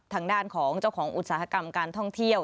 ทางด้านของเจ้าของอุตสาหกรรมการท่องเที่ยว